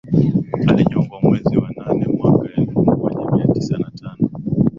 Alinyongwa mwezi wa nane mwaka elfu moja mia tisa na tano